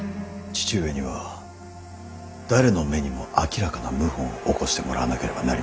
父上には誰の目にも明らかな謀反を起こしてもらわなければなりません。